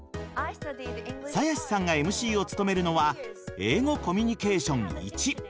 鞘師さんがＭＣを務めるのは「英語コミュニケーションⅠ」。